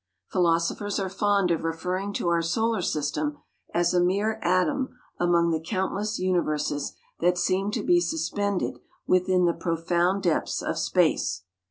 Philosophers are fond of referring to our solar system as a mere atom among the countless universes that seem to be suspended within the profound depths of space.